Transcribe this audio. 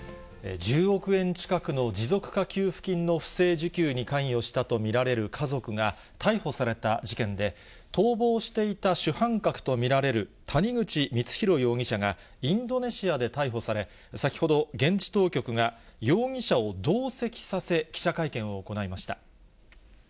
１０億円近くの持続化給付金の不正受給に関与したと見られる家族が逮捕された事件で、逃亡していた主犯格と見られる谷口光弘容疑者が、インドネシアで逮捕され、先ほど、現地当局が、容疑者を同席させ、記者会見を行いました。